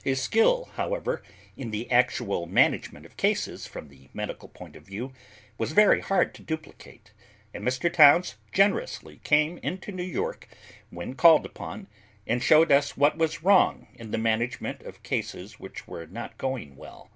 His skill, however, in the actual management of cases, from the medical point of view, was very hard to duplicate, and Mr. Towns generously came from New York, when called upon, and showed us what was wrong in the management of cases which were not doing well.